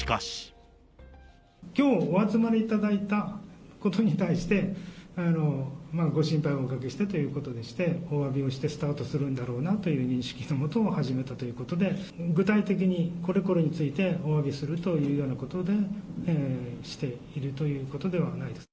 きょう、お集まりいただいたことに対して、ご心配をおかけしたということでして、おわびをしてスタートするんだろうなという認識の下、始めたということで、具体的にこれこれについて、おわびするというようなことでしているということではないです。